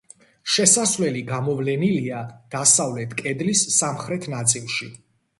შესასვლელი გამოვლენილია დასავლეთ კედლის სამხრეთ ნაწილში.